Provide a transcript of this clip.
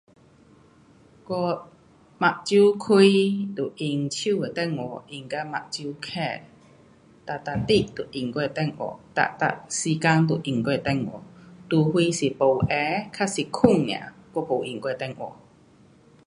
我眼睛开就用手的电话用到眼睛盖。哒每日都用我的电话，哒每时间都用我的电话，除非是没闲还是睡尔我没用我的电话。